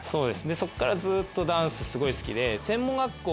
そっからずっとダンスすごい好きで。